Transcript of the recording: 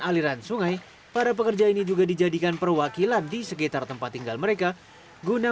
aliran sungai para pekerja ini juga dijadikan perwakilan di sekitar tempat tinggal mereka guna